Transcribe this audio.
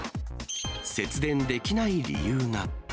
節電できない理由が。